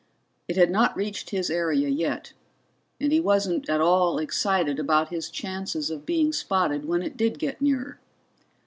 It had not reached his area yet, and he wasn't at all excited about his chances of being spotted when it did get nearer.